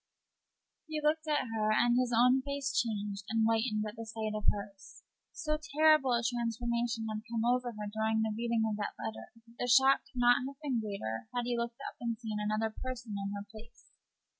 He looked at her, and his own face changed and whitened at the sight of hers. So terrible a transformation had come over her during the reading of that letter that the shock could scarcely have been greater had he looked up and seen another person in her place.